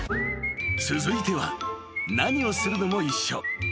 ［続いては何をするのも一緒］